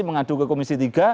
mengadu ke komisi tiga